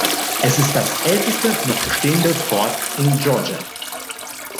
Es ist das älteste noch bestehende Fort in Georgia.